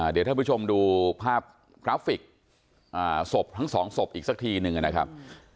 เดี๋ยวท่านผู้ชมดูภาพกราฟิกศพทั้งสองศพอีกสักทีหนึ่งนะครับ